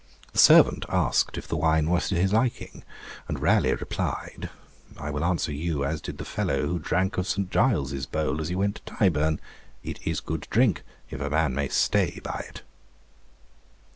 The servant asked if the wine was to his liking, and Raleigh replied, 'I will answer you as did the fellow who drank of St. Giles' bowl as he went to Tyburn, "It is good drink, if a man might stay by it."'